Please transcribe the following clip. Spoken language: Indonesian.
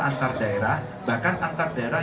antar daerah bahkan antar daerah